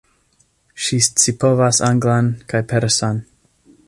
Ŝi scipovas anglan kaj persan.